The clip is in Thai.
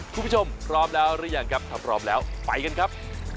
คุณผู้ชมพร้อมแล้วหรือยังครับถ้าพร้อมแล้วไปกันครับ